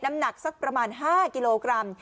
น้ำหนักสักประมาณ๕กิโลกรัม